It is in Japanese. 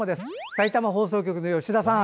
さいたま放送局から、吉田さん。